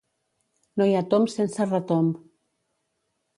No hi ha tomb sense retomb.